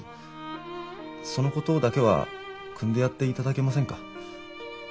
そのことだけはくんでやっていただけませんか？